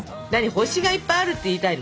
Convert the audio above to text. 星がいっぱいあるって言いたいの？